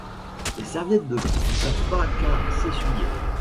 Les serviettes de bain ne servent pas qu'à s'essuyer.